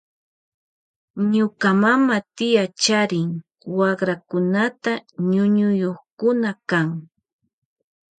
Ñuka mama tia charin wakrakunata ñañuyukuna kan.